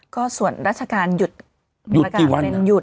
ก็ส่วนรัชการหยุดประกาศเป็นหยุดกี่วันน่ะ